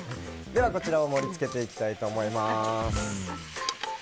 こちらを盛り付けていきたいと思います。